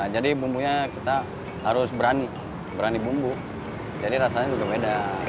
jadi bumbunya kita harus berani berani bumbu jadi rasanya juga beda